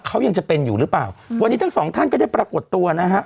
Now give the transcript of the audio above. เขายังจะเป็นอยู่หรือเปล่าวันนี้ทั้งสองท่านก็ได้ปรากฏตัวนะฮะ